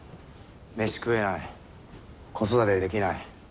飯食えない子育てできない。